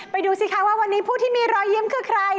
ดูสิคะว่าวันนี้ผู้ที่มีรอยยิ้มคือใคร